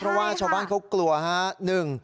เพราะว่าชาวบ้านเขากลัวฮะ